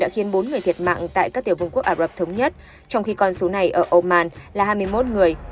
đã khiến bốn người thiệt mạng tại các tiểu vùng quốc ả rập thống nhất trong khi con số này ở oman là hai mươi một người